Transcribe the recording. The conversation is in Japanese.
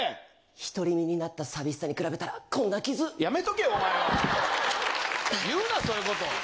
独り身になった寂しさに比べやめとけ、お前、言うな、そういうこと。